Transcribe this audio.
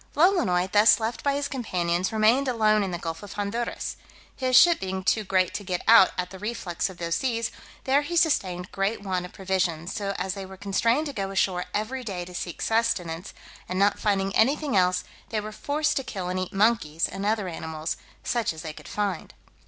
Lolonois, thus left by his companions, remained alone in the gulf of Honduras. His ship being too great to get out at the reflux of those seas, there he sustained great want of provisions, so as they were constrained to go ashore every day to seek sustenance, and not finding anything else, they were forced to kill and eat monkeys, and other animals, such as they could find.